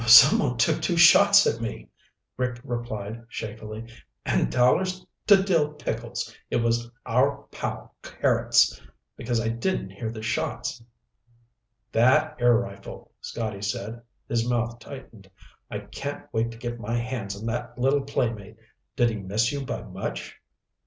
"Someone took two shots at me," Rick replied shakily. "And dollars to dill pickles it was our pal Carrots, because I didn't hear the shots." "That air rifle," Scotty said. His mouth tightened. "I can't wait to get my hands on that little playmate. Did he miss you by much?"